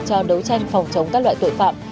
cho đấu tranh phòng chống các loại tội phạm